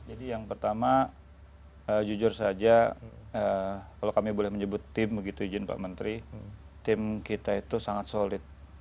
jadi yang pertama jujur saja kalau kami boleh menyebut tim begitu izin pak menteri tim kita itu sangat solid